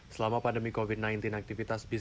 selama pandemi covid sembilan belas aktivitas bisnis